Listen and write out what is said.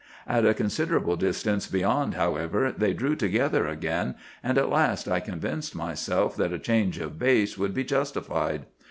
At a considerable distance beyond, however, they drew together again, and at last I convinced myself that a change of base would be justified.